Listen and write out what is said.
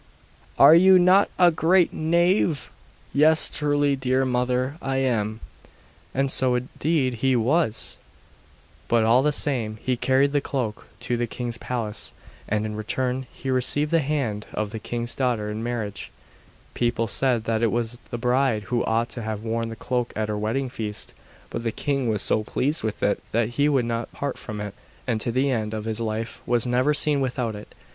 'Are you not a great knave?' 'Yes, truly dear mother, I am.' And so indeed he was! But, all the same, he carried the cloak to the king's palace, and in return he received the hand of the king's daughter in marriage. People said that it was the bride who ought to have worn the cloak at her wedding feast; but the king was so pleased with it that he would not part from it; and to the end of his life was never seen without it.